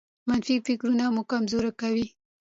منفي فکرونه مو کمزوري کوي.